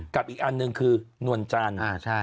อีกอันหนึ่งคือนวลจันทร์